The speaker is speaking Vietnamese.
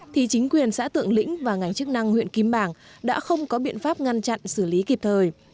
thì chính quyền xã tượng lĩnh và ngành chức năng huyện kim bảng đã không có biện pháp ngăn chặn xử lý kịp thời